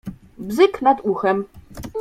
Bzyk nad uchem.